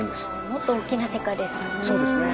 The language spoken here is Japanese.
もっと大きな世界ですもんね。